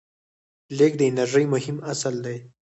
لیږد د انرژۍ مهم اصل دی.